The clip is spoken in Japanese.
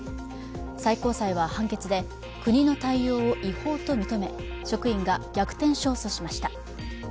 最高裁は判決で、国の対応を違法と認め、職員が逆転勝訴しました。